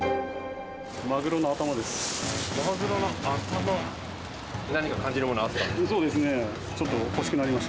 マグロの頭です。